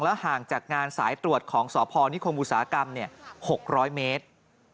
ห่างจากงานสายตรวจของสพนิคมอุตสาหกรรม๖๐๐เมตร